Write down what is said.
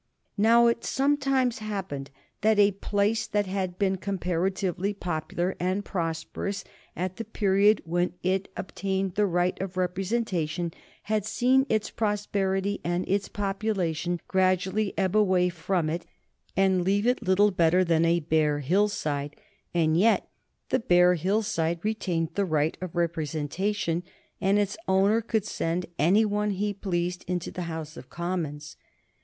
Now it sometimes happened that a place that had been comparatively popular and prosperous at the period when it obtained the right of representation had seen its prosperity and its population gradually ebb away from it, and leave it little better than a bare hill side, and yet the bare hill side retained the right of representation, and its owner could send any one he pleased into the House of Commons.